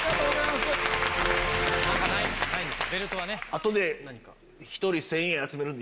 あとで。